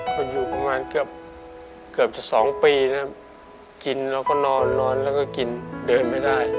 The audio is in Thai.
ก็อยู่ประมาณเกือบจะ๒ปีนะครับกินแล้วก็นอนนอนแล้วก็กินเดินไม่ได้